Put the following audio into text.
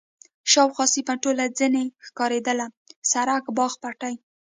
شاوخوا سیمه ټوله ځنې ښکارېدل، سړک، باغ، پټی.